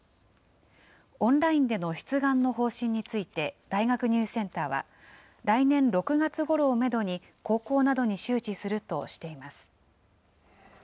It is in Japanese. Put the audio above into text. オンラインでの出願の方針について、大学入試センターは、来年６月ごろをメドに高校などに周知す